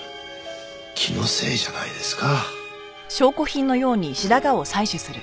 気のせいじゃないですか？